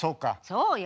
そうよ。